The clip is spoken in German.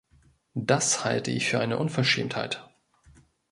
Das halte ich für eine Unverschämtheit!